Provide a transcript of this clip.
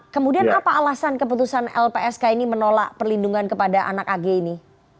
kemudian apa alasan keputusan lpsk ini menolak perlindungan kepada anak ag ini